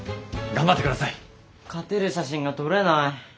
勝てる写真が撮れない。